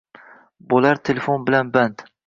Bolar telefon bilan band